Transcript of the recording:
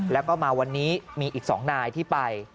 แล้วก็มาวันนี้มีอีก๒นายที่ไป